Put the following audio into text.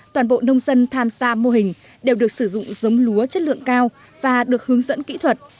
toàn bộ nông dân tham gia mô hình đều được sử dụng giống lúa chất lượng cao và được hướng dẫn kỹ thuật